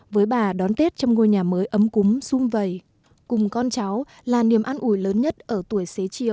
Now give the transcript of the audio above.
với bà đón tết trong ngôi nhà mới ấm cúng xung vầy cùng con cháu là niềm an ủi lớn nhất ở tuổi xế chiều